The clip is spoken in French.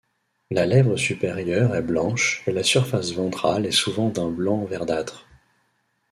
La lèvre supérieure est blanche et la surface ventrale est souvent d'un blanc verdâtre.